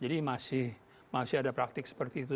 jadi masih ada praktik seperti itu